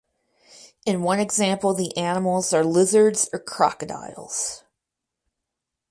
In one example the animals are "lizards or crocodiles".